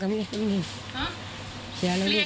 แคลียร์กันแล้วใช่ไหมกับมันนี่